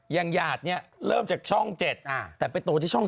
หยาดเนี่ยเริ่มจากช่อง๗แต่ไปโตที่ช่อง๓